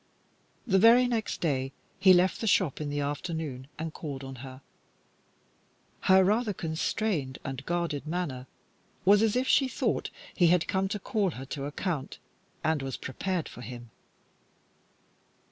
The very next day he left the shop in the afternoon and called on her. Her rather constrained and guarded manner was as if she thought he had come to call her to account, and was prepared for him.